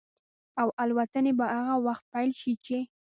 او الوتنې به هغه وخت پيل شي چې